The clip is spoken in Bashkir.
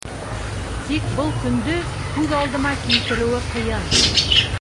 Тик был көндө күҙ алдыма килтереүе ҡыйын.